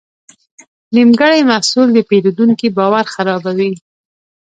نیمګړی محصول د پیرودونکي باور خرابوي.